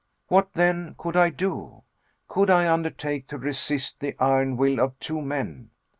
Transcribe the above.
What, then, could I do? Could I undertake to resist the iron will of two men?